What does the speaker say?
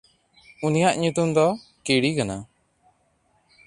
ᱩᱱᱤᱭᱟᱜ ᱧᱩᱛᱩᱢ ᱫᱚ ᱠᱤᱲᱭ ᱠᱟᱱᱟ᱾